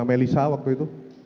melisa waktu itu